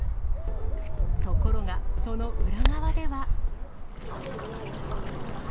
ところが、その裏側では。